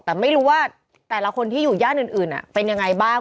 แต่ไม่รู้ว่าแต่ละคนที่อยู่ย่านอื่นเป็นยังไงบ้าง